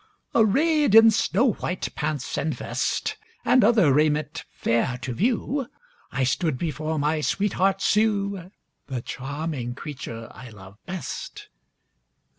Arrayed in snow white pants and vest, And other raiment fair to view, I stood before my sweetheart Sue The charming creature I love best.